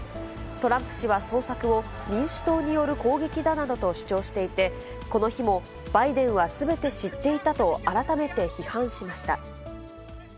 トランプ氏は捜索を民主党による攻撃だなどと主張していて、この日もバイデンはすべて知っていたと改めて批判しました。